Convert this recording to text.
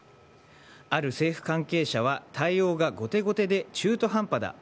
ある政府関係者は対応が後手後手で中途半端だ。